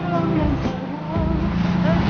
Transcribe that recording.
orang orang yang malah adanya juga shahemimah